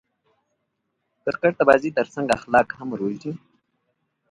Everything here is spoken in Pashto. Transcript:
کرکټ د بازي ترڅنګ اخلاق هم روزي.